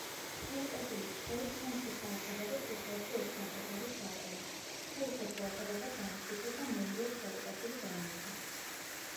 შალიკაშვილის რჩევით სამცხე-საათაბაგოს ციხეებში ოსმალთა ჯარი ჩააყენეს, ქაიხოსრო ათაბაგად დაამტკიცეს და მეურვედ შალიკაშვილი დაუნიშნეს.